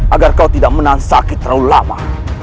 agar kau tidak menang sakit terlalu lama